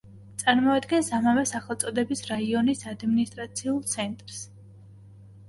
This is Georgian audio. წარმოადგენს ამავე სახელწოდების რაიონის ადმინისტრაციულ ცენტრს.